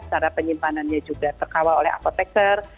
secara penyimpanannya juga terkawal oleh apotekar